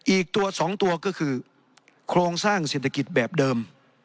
อีกตัว๒ตัวก็คือโครงสร้างเศรษฐกิจแบบเดิม